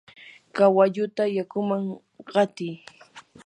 kawalluta yakuman qatiy.